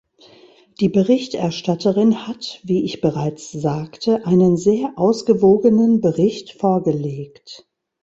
Die Berichterstatterin hat wie ich bereits sagte einen sehr ausgewogenen Bericht vorgelegt.